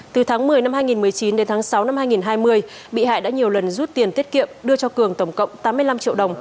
từ tháng một mươi năm hai nghìn một mươi chín đến tháng sáu năm hai nghìn hai mươi bị hại đã nhiều lần rút tiền tiết kiệm đưa cho cường tổng cộng tám mươi năm triệu đồng